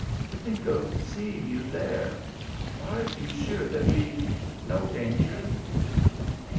To think of seeing you there! are you sure there'd be no danger?"